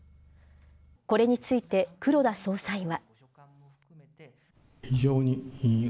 これについて黒田総裁は。